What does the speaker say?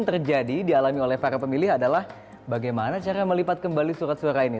yang terjadi dialami oleh para pemilih adalah bagaimana cara melipat kembali surat suara ini